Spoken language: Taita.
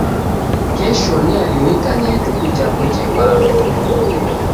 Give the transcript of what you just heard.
Kesho niaririkanya ituku japo jevalwa